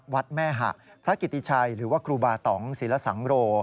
วัดแม่หะพระกิติชัยหรือว่าครูบาตองศิลสังโร